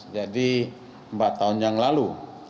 jadi empat tahun yang lalu